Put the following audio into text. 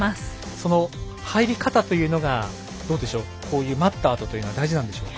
その入り方というのが待ったあとというのは大事なんでしょうか。